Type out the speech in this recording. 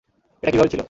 এটা কীভাবে ছিল?